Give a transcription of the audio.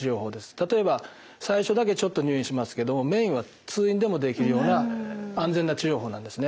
例えば最初だけちょっと入院しますけどメインは通院でもできるような安全な治療法なんですね。